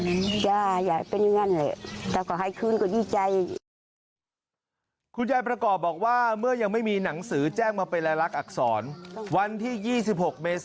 แล้วที่เขาบอกว่าอาจจะไม่ให้เก็บเลย